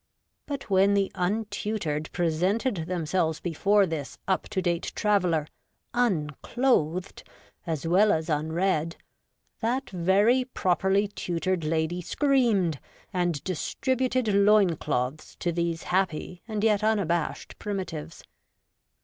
But when the untutored presented themselves be fore this up to date traveller unclothed as well as un read, that very properly tutored lady screamed, and distributed loin cloths to these happy and yet unabashed primitives.